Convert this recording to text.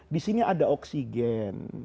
disini ada oksigen